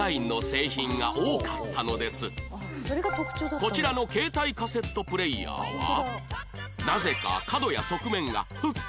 こちらの携帯カセットプレーヤーはなぜか